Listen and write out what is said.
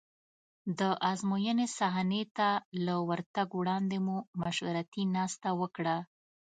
د ازموینې صحنې ته له ورتګ وړاندې مو مشورتي ناسته وکړه.